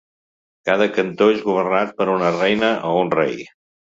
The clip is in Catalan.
Cada cantó és governat per una reina o un rei.